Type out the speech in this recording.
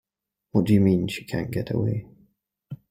What do you mean she can't get away?